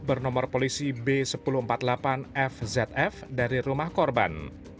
bernomor polisi b seribu empat puluh delapan fzf dari rumah korban